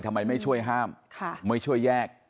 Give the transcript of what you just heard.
ทำไมไม่ช่วยห้ามไม่ช่วยแยก